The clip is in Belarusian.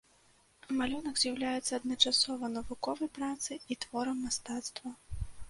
Малюнак з'яўляецца адначасова навуковай працай і творам мастацтва.